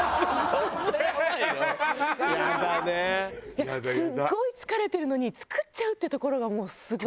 いやすごい疲れてるのに作っちゃうっていうところがもうすごい。